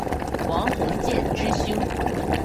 王鸿渐之兄。